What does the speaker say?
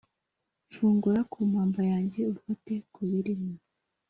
fungura kumpamba yanjye ufate ku birimo